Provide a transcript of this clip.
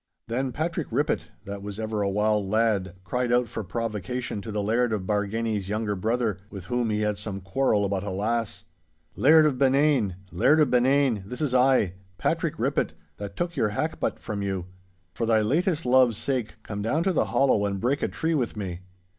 Then Patrick Rippitt, that was ever a wild lad, cried out for provocation to the Laird of Bargany's younger brother, with whom he had some quarrel about a lass. 'Laird of Benane, Laird of Benane, this is I, Patrick Rippitt, that took your hackbutt from you! For thy latest love's sake, come down to the hollow and break a tree with me.